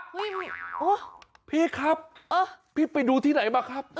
เฮ้ยโอ๊ยพี่ครับพี่ไปดูที่ไหนมาครับ